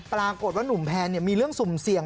ปรากฏว่านุ่มแพนมีเรื่องสุ่มเสี่ยง